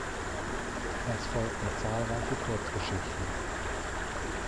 Es folgten zahlreiche Kurzgeschichten.